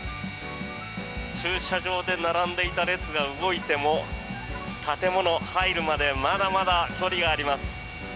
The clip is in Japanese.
駐車場で並んでいた列が動いても建物、入るまでまだまだ距離があります。